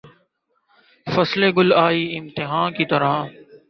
فصل گل آئی امتحاں کی طرح